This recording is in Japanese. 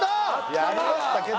やりましたけど。